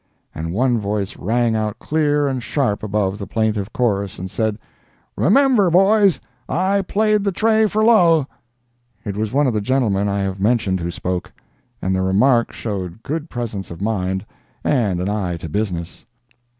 and one voice rang out clear and sharp above the plaintive chorus and said, "Remember, boys, I played the tray for low!" It was one of the gentlemen I have mentioned who spoke. And the remark showed good presence of mind and an eye to business.